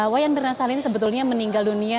wayan mirna salihin sebetulnya meninggal dunia